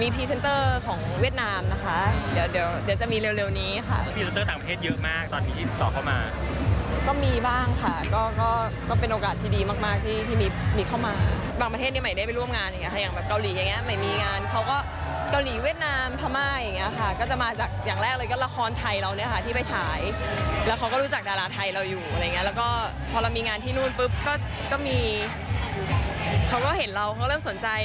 ทีนู้นปุ๊บก็มีเขาก็เห็นเราเขาก็เริ่มสนใจ